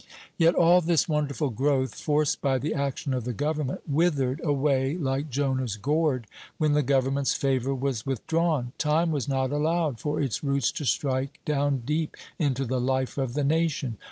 Yet all this wonderful growth, forced by the action of the government, withered away like Jonah's gourd when the government's favor was withdrawn. Time was not allowed for its roots to strike down deep into the life of the nation.